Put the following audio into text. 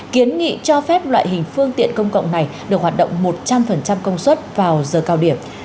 kiến nghị cho phép loại hình phương tiện công cộng này được hoạt động một trăm linh công suất vào giờ cao điểm